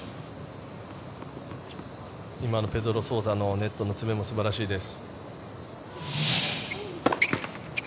今のペドロ・ソウザのネットの詰めも素晴らしいです。